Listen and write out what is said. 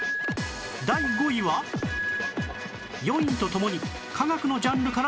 第５位は４位とともに科学のジャンルからランクイン